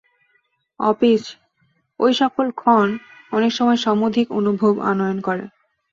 Office, ঐ সকল ক্ষণ অনেক সময় সমধিক অনুভব আনয়ন করে।